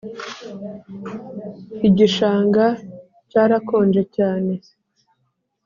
igishanga cyarakonje cyane